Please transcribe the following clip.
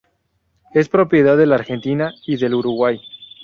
Es propiedad de la Argentina y del Uruguay.